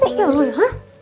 kerennya lo ya